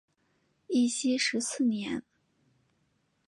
义熙十四年。